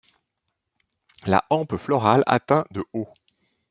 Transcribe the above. La hampe florale atteint de haut.